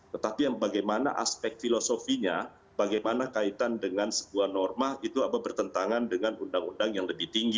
tetapi yang bagaimana aspek filosofinya bagaimana kaitan dengan sebuah norma itu bertentangan dengan undang undang yang lebih tinggi